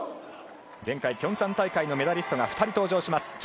前回、平昌大会のメダリストが２人登場します。